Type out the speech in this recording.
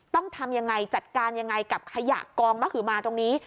ต้องทำยังไงจัดการยังไงกับขยะกองมะหือมาตรงนี้